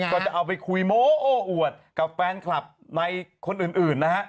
ก็จะเอาไปคุยโม้โอ้อวดกับแฟนคลับในคนอื่นนะฮะ